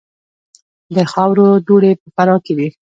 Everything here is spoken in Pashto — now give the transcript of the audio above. د خاورو دوړې په فراه کې دي